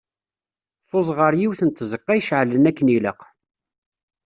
Tuz ɣer yiwet n tzeqqa iceɛlen akken ilaq.